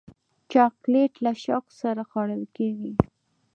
چاکلېټ له شوق سره خوړل کېږي.